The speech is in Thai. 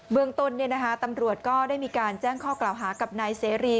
เมืองต้นตำรวจก็ได้มีการแจ้งข้อกล่าวหากับนายเสรี